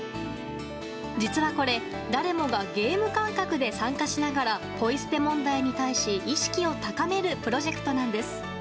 実はこれ、誰もがゲーム感覚で参加しながらポイ捨て問題に対し意識を高めるプロジェクトなんです。